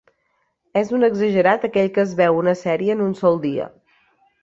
És un exagerat aquell que es veu una sèrie en un sol dia.